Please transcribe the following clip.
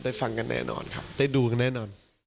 ฟังกันแน่นอนครับได้ดูกันแน่นอน